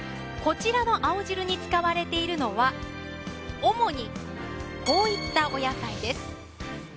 こちらの青汁に使われているのは主にこういったお野菜です。